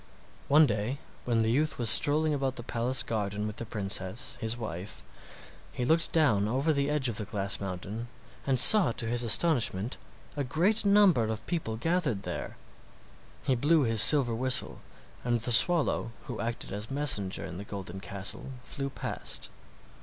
One day when the youth was strolling about the palace garden with the princess, his wife, he looked down over the edge of the glass mountain and saw to his astonishment a great number of people gathered there. He blew his silver whistle, and the swallow who acted as messenger in the golden castle flew past.